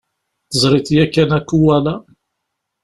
Teẓriḍ yakan akuwala?